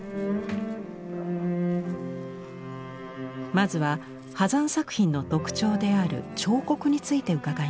まずは波山作品の特徴である彫刻について伺いました。